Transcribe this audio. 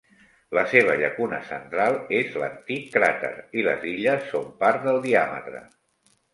La seva llacuna central és l'antic cràter i les illes són part del diàmetre.